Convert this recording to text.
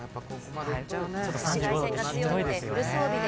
紫外線が強いので、フル装備で。